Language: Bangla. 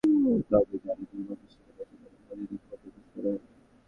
তবে যাঁরা দুর্ভোগের শিকার হয়েছেন তাদের প্রতি দুঃখ প্রকাশ করা হয়।